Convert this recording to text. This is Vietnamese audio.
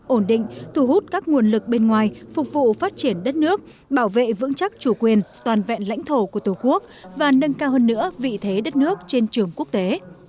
ổn định thu hút các nguồn lực bên ngoài phục vụ phát triển đất nước bảo vệ vững chắc chủ quyền toàn vẹn lãnh thổ của tổ quốc và nâng cao hơn nữa vị thế đất nước trên trường quốc tế